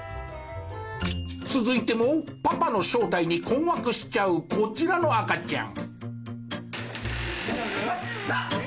続いてもパパの正体に困惑しちゃうこちらの赤ちゃん。